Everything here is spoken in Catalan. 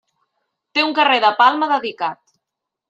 Té un carrer de Palma dedicat.